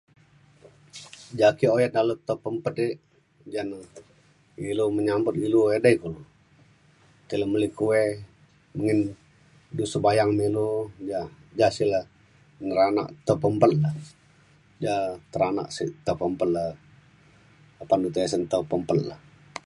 ja' ake oyan dalau tau pempet ek jane ilu menyambut ilu edai kulu tai le meli kueh mengin du sembayang me ilu ja ja sik le neranak tau pempet le ja teranak sik tau pempet le apan du tesen tau pempet le.